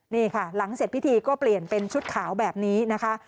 นี่ค่ะหลังเสร็จพิธีก็เปลี่ยนเป็นชุดขาวแบบนี้นะคะ